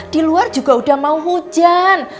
di luar juga udah mau hujan